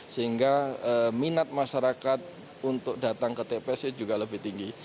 sehingga minat masyarakat untuk datang ke tps juga lebih tinggi